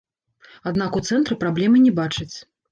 Аднак у цэнтры праблемы не бачаць.